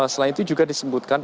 selain itu juga disebutkan